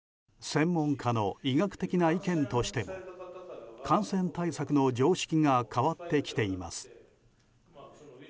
専門家の医学的な意見としても感染対策の常識が変わってきています。